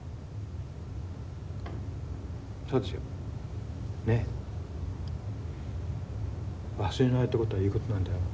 そうでしょう。ねえ？忘れないってことはいいことなんだよ。